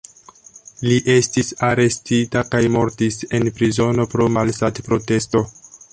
Li estis arestita kaj mortis en prizono pro malsatprotesto.